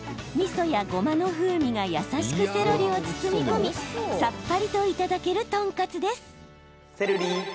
みそや、ごまの風味が優しくセロリを包み込みさっぱりといただけるトンカツです。